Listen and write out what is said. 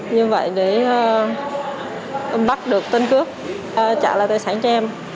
như vậy để bắt được tên cướp trả lại tài sản cho em